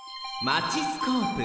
マチスコープ。